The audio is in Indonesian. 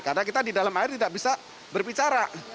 karena kita di dalam air tidak bisa berbicara